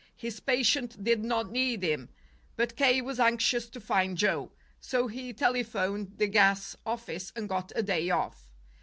His patient did not need him, but K. was anxious to find Joe; so he telephoned the gas office and got a day off.